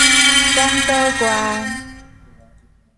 廣島縣